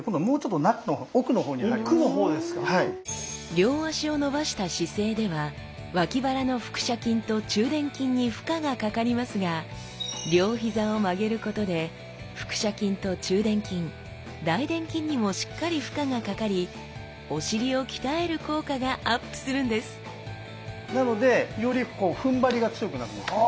両脚を伸ばした姿勢ではわき腹の腹斜筋と中臀筋に負荷がかかりますが両膝を曲げることで腹斜筋と中臀筋大臀筋にもしっかり負荷がかかりお尻を鍛える効果がアップするんですなのでよりふんばりが強くなるんですね。